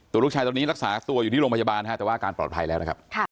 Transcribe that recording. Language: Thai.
ลูกชายตอนนี้รักษาตัวอยู่ที่โรงพยาบาลฮะแต่ว่าอาการปลอดภัยแล้วนะครับ